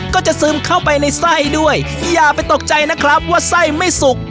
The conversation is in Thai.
ซึมเข้าไปในไส้ด้วยอย่าไปตกใจนะครับว่าไส้ไม่สุก